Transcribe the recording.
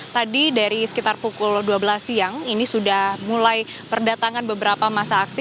tadi dari sekitar pukul dua belas siang ini sudah mulai berdatangan beberapa masa aksi